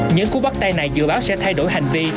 những cú bắt tay này dự báo sẽ thay đổi hành vi